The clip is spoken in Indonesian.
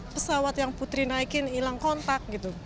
pesawat yang putri naikin hilang kontak gitu